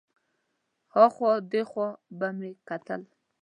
ها خوا دې خوا به مې کتل.